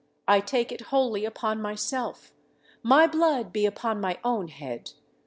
I take it wholly upon myself. My blood be upon my own head.